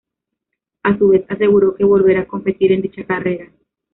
A su vez, aseguró que volverá a competir en dicha carrera.